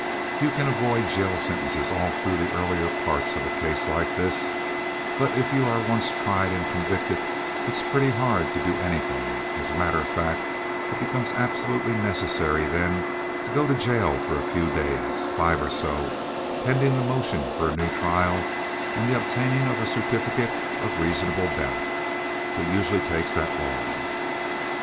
"You can avoid jail sentences all through the earlier parts of a case like this; but if you are once tried and convicted it's pretty hard to do anything—as a matter of fact, it becomes absolutely necessary then to go to jail for a few days, five or so, pending the motion for a new trial and the obtaining of a certificate of reasonable doubt. It usually takes that long."